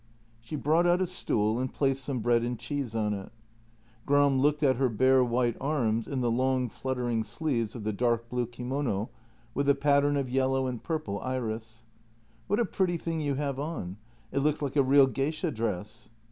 She brought out a stool and placed some bread and cheese on it. Gram looked at her bare, white arms in the long, fluttering sleeves of the dark blue kimono with a pattern of yellow and purple iris. " What a pretty thing you have on. It looks like a real geisha dress."